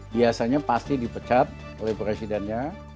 biasanya pasti dipecat oleh presidennya